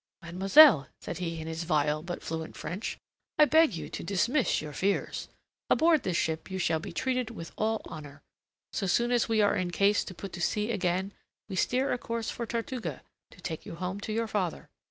"Mademoiselle," said he in his vile but fluent French, "I beg you to dismiss your fears. Aboard this ship you shall be treated with all honour. So soon as we are in case to put to sea again, we steer a course for Tortuga to take you home to your father.